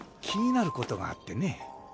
気になることがあってね。